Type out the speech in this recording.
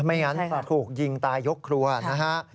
ไม่งั้นถูกยิงตายยกครัวนะฮะ